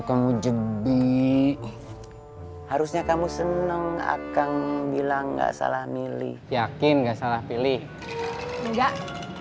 kamu jebi harusnya kamu seneng akan bilang enggak salah milih yakin nggak salah pilih enggak